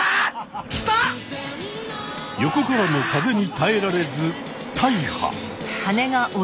横からの風にたえられず大破。